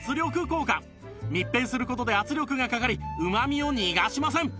密閉する事で圧力がかかりうまみを逃がしません！